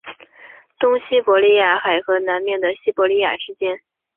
东西伯利亚海和南面的西伯利亚之间。